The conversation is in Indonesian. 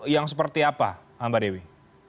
yang seperti apa mbak dewi